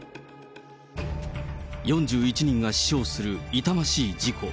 ４１人が死傷する痛ましい事故。